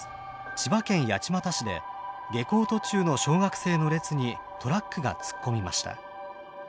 千葉県八街市で下校途中の小学生の列にトラックが突っ込みました。